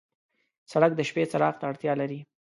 سړک د شپې څراغ ته اړتیا لري.